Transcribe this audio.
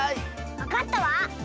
わかったわ！